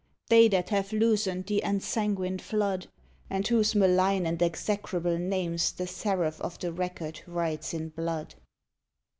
They that have loosened the ensanguined flood, And whose malign and execrable names The Seraph of the Record writes in blood.